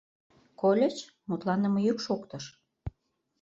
— Кольыч, мутланыме йӱк шоктыш?